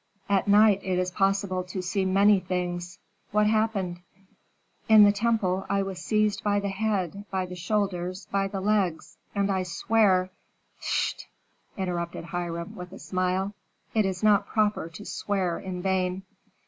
"At night it is possible to see many things. What happened?" "In the temple I was seized by the head, by the shoulders, by the legs; and I swear " "Phst!" interrupted Hiram, with a smile. "It is not proper to swear in vain."